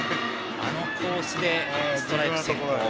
あのコースでストライク先行。